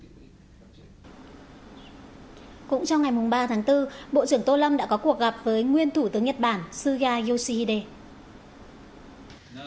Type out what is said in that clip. cũng trong ngày ba tháng bốn bộ trưởng tô lâm đã có cuộc gặp với nguyên thủ tướng nhật bản suga yoshihide